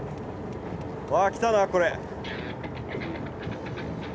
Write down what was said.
わぁ来たなこれ。